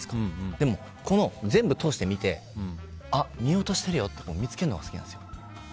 でも、全部通して見てあ、見落としてるよって見つけるのが好きなんですよ。